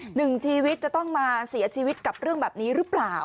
หนึ่งชีวิตจะต้องมาเสียชีวิตกับเรื่องแบบนี้หรือเปล่า